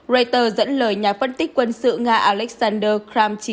reuters dẫn lời nhà phân tích quân sự nga alexander kravchuk